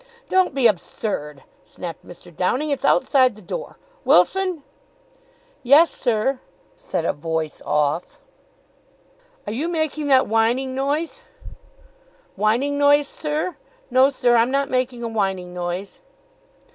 "Don't be absurd!" snapped Mr. Downing. "It's outside the door. Wilson!" "Yes, sir?" said a voice "off." "Are you making that whining noise?" "Whining noise, sir? No, sir, I'm not making a whining noise."